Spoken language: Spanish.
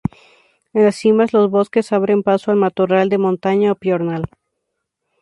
En las cimas, los bosques abren paso al matorral de montaña o piornal.